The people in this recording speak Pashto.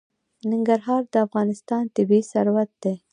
ننګرهار د افغانستان طبعي ثروت دی.